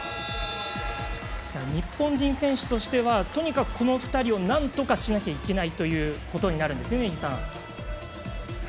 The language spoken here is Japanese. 日本人選手としてはとにかくこの２人をなんとかしなきゃいけないということになるんですね、根木さん。